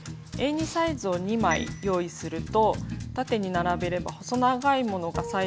Ａ２サイズを２枚用意すると縦に並べれば細長いものが裁断できるので便利です。